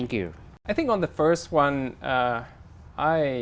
điều khiển tôi